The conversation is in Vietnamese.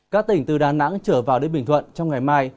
các tỉnh từ đà nẵng trở vào đến bình thuận trong ngày mai